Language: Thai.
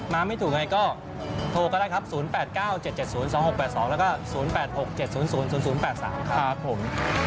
ไม่ถูกไงก็โทรก็ได้ครับ๐๘๙๗๗๐๒๖๘๒แล้วก็๐๘๖๗๐๐๘๓ครับผม